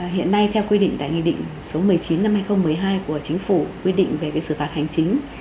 hiện nay theo quy định tại nghị định số một mươi chín năm hai nghìn một mươi hai của chính phủ quy định về xử phạt hành chính